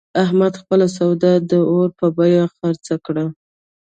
احمد خپله سودا د اور په بیه خرڅه کړه.